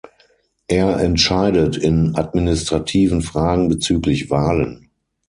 Er entscheidet in administrativen Fragen bezüglich Wahlen.